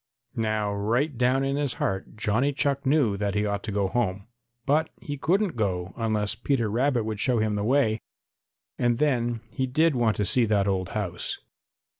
Now right down in his heart Johnny Chuck knew that he ought to go home, but he couldn't go unless Peter Rabbit would show him the way, and then he did want to see that old house.